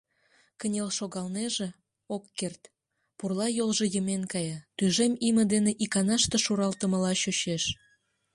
Кынел шогалнеже, ок керт — пурла йолжо йымен кая, тӱжем име дене иканаште шуралтымыла чучеш.